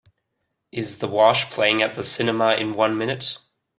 Is The Wash playing at the cinema in one minute